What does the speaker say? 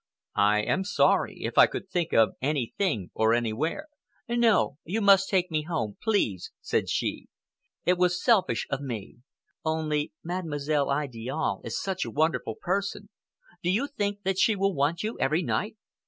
"I am sorry. If I could think of anything or anywhere—" "No, you must take me home, please," said she. "It was selfish of me. Only Mademoiselle Idiale is such a wonderful person. Do you think that she will want you every night?"